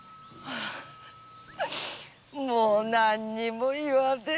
もう何にも言わねぇ。